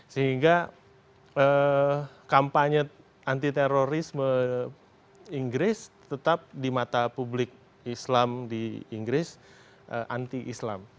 sehingga kampanye anti terorisme inggris tetap di mata publik islam di inggris anti islam